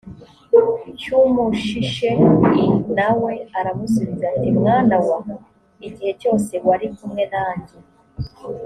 cy umushishe l na we aramusubiza ati mwana wa igihe cyose wari kumwe nanjye